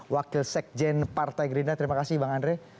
wakil sekjen partai gerindra terima kasih bang andre